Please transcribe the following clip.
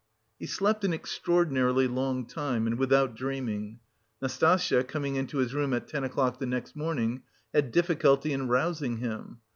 He slept an extraordinarily long time and without dreaming. Nastasya, coming into his room at ten o'clock the next morning, had difficulty in rousing him.